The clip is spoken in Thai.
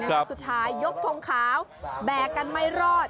แล้วก็สุดท้ายยกทงขาวแบกกันไม่รอด